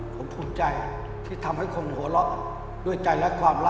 ผมภูมิใจที่ทำให้คนหัวเราะด้วยใจและความรัก